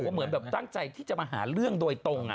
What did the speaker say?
เหมือนแบบตั้งใจที่จะมาหาเรื่องโดยตรง